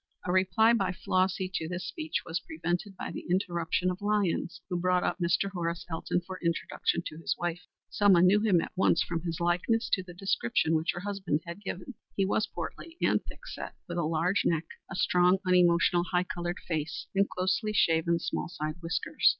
A reply by Flossy to this speech was prevented by the interruption of Lyons, who brought up Mr. Horace Elton for introduction to his wife. Selma knew him at once from his likeness to the description which her husband had given. He was portly and thick set, with a large neck, a strong, unemotional, high colored face, and closely shaven, small side whiskers.